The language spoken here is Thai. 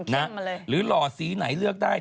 หรือหล่อสีไหนเลือกได้